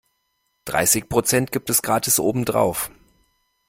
Dreißig Prozent gibt es gratis obendrauf.